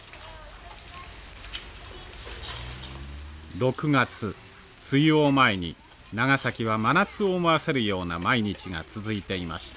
６月梅雨を前に長崎は真夏を思わせるような毎日が続いていました。